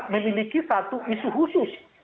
memiliki satu isu khusus